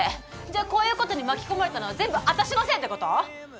じゃあこういうことに巻き込まれたのは全部あたしのせいってこと？